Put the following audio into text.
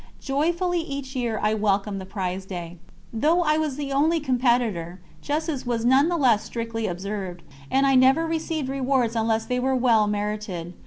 Joyfully each year I welcomed the prize day. Though I was the only competitor, justice was none the less strictly observed, and I never received rewards unless they were well merited.